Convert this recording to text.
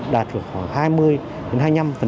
đạt được khoảng hai mươi đến hai mươi năm